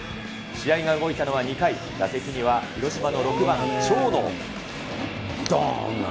試合が動いたのは２回、打席には広島の６番長野。